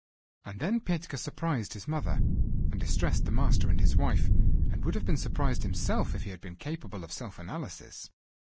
And then Petka surprised his mother, and distressed the master and his wife, and would have been surprised himself if he had been capable of self analysis.